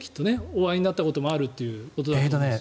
お会いになったこともあるということで。